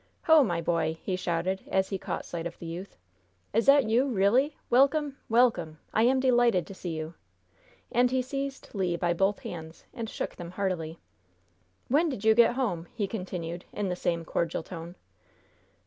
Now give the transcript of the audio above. "Ho, my boy!" he shouted, as he caught sight of the youth. "Is that you, really? Welcome! welcome! I am delighted to see you!" And he seized Le by both hands, and shook them heartily. "When did you get home?" he continued, in the same cordial tone.